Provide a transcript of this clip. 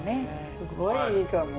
すごいいいかも。